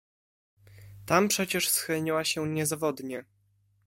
"Tam przecież schroniła się niezawodnie."